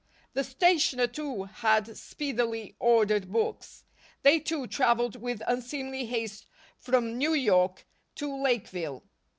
The Stationer, too, had speedily ordered books. They, too, traveled with unseemly haste from New York to Lakeville.